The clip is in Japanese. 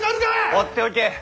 放っておけ。